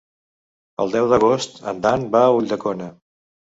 El deu d'agost en Dan va a Ulldecona.